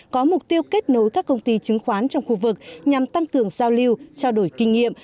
có mục tiêu kết nối các công ty chứng khoán trong khu vực nhằm tăng cường giao lưu trao đổi kinh nghiệm